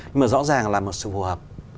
nhưng mà rõ ràng là một sự phù hợp